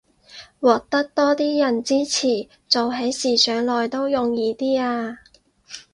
獲得多啲人支持，做起事上來都容易啲吖